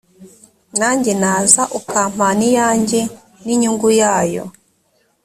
nanjye naza ukampana iyanjye n’inyungu yayo